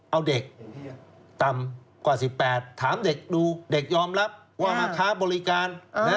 เอาเด็กต่ำกว่า๑๘ถามเด็กดูเด็กยอมรับว่ามาค้าบริการ